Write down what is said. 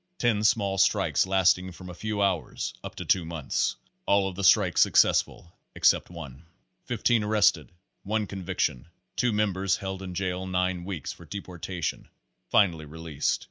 Ten small strikes lasting from a few hours up to two months. All of the strikes successful except one. Fifteen arrested, one conviction, two members held in jail nine weeks for deportation finally released.